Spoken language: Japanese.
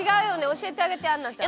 教えてあげて杏奈ちゃん。